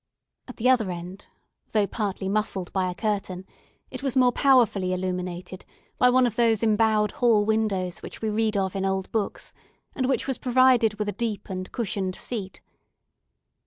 At the other end, though partly muffled by a curtain, it was more powerfully illuminated by one of those embowed hall windows which we read of in old books, and which was provided with a deep and cushioned seat.